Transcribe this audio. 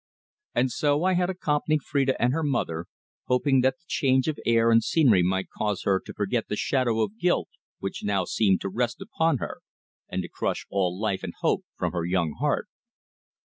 And so I had accompanied Phrida and her mother, hoping that the change of air and scenery might cause her to forget the shadow of guilt which now seemed to rest upon her and to crush all life and hope from her young heart.